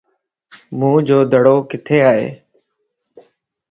موئن جو دڙو ڪٿي ائي؟